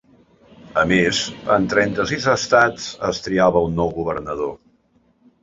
A més, en trenta-sis estats es triava un nou governador.